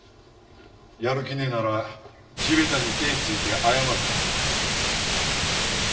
やる気ねえなら地べたに手ついて謝るか？